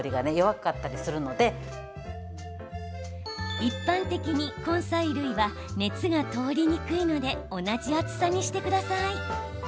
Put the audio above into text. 一般的に根菜類は熱が通りにくいので同じ厚さにしてください。